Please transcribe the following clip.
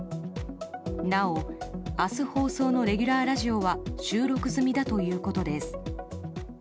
なお、明日放送のレギュラーラジオは収録済みだということです。